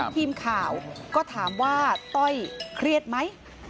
ทีมข่าวก็ถามว่าต้อยเครียดไหม